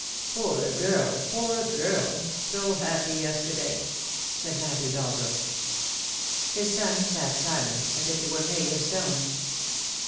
"Poor girl! poor girl! So happy yesterday!" said Matthew Dalbrook. His son sat silent, as if he were made of stone.